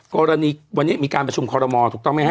กรณีวันนี้มีการประชุมคอรมอลถูกต้องไหมฮะ